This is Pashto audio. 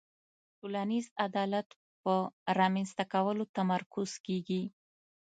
ټولنیز عدالت په رامنځته کولو تمرکز کیږي.